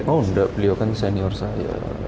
oh enggak beliau kan senior saya